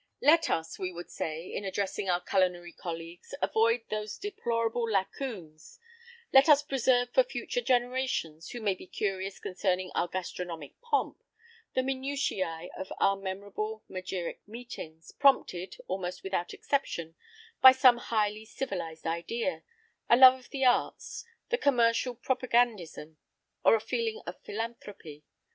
Let us, we would say, in addressing our culinary colleagues, avoid those deplorable lacunes; let us preserve for future generations, who may be curious concerning our gastronomic pomp, the minutiæ of our memorable magiric meetings, prompted, almost without exception, by some highly civilising idea a love of the arts, the commercial propagandism, or a feeling of philanthropy.